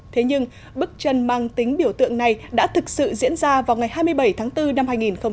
thế nhưng bức chân mang tính biểu tượng này đã thực sự diễn ra vào ngày hai mươi bảy tháng bốn năm hai nghìn một mươi tám